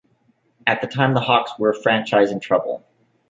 At the time the Hawks were a franchise in trouble.